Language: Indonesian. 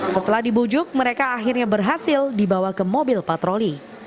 setelah dibujuk mereka akhirnya berhasil dibawa ke mobil patroli